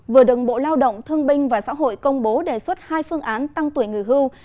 vừa đồng bộ lao động thương binh và xã hội công bố đề xuất hai phương án tăng tuổi nghỉ hưu